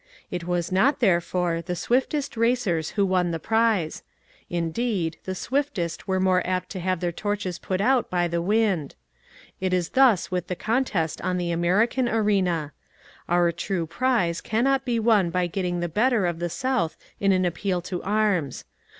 It was not, therefore, the swiftest racers who won the prize. Indeed the swiftest were more apt to have their torches put out by the wind. It is thus with the contest on the American arena. Our true prize cannot be won by getting the better of the South in an appeal to arms.